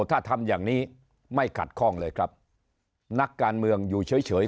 ถ้าทำอย่างนี้ไม่ขัดข้องเลยครับนักการเมืองอยู่เฉยเฉย